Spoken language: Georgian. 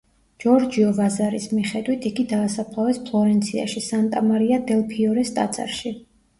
ჯორჯიო ვაზარის მიხედვით, იგი დაასაფლავეს ფლორენციაში, სანტა მარია დელ ფიორეს ტაძარში.